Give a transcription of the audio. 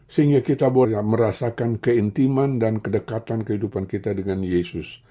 sehingga kita boleh merasakan keintiman dan kedekatan kehidupan kita dengan yesus